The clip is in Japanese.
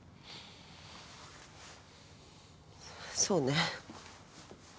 そうね。